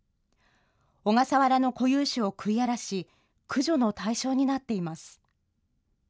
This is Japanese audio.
小笠原の固有種を食い荒らし、駆除の対象になっています。